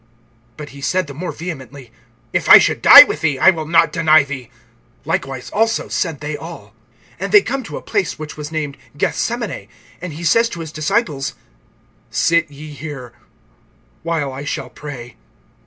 (31)But he said the more vehemently: If I should die with thee, I will not deny thee. Likewise also said they all. (32)And they come to a place which was named Gethsemane. And he says to his disciples: Sit ye here, while I shall pray.